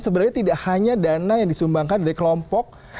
sebenarnya tidak hanya dana yang disumbangkan dari kelompok